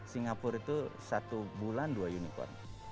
singapura itu satu bulan dua unicorn